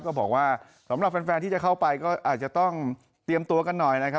ก็บอกว่าสำหรับแฟนที่จะเข้าไปก็อาจจะต้องเตรียมตัวกันหน่อยนะครับ